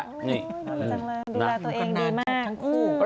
ดีละตัวเองดีมาก